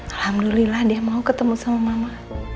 alhamdulillah dia mau ketemu sama mama